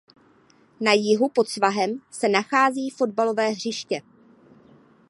Na jihu pod svahem se nachází fotbalové hřiště.